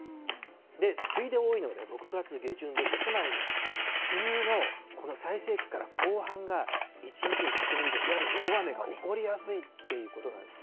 で、次いで多いのが６月下旬でして、つまり梅雨のこの最盛期から後半が、１日に１００ミリ以上、いわゆる大雨が起こりやすいっていうことなんです。